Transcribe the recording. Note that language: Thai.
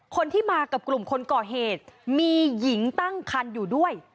คนที่มากับกลุ่มคนก่อเหตุมีหญิงตั้งคันอยู่ด้วย